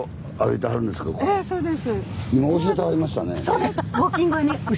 そうです。